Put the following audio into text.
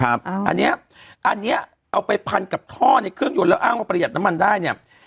อันนี้อันนี้เอาไปพันกับท่อในเครื่องยนต์แล้วอ้างว่าประหยัดน้ำมันได้เนี่ย